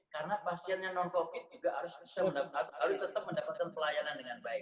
karena pasiennya non covid juga harus tetap mendapatkan pelayanan dengan baik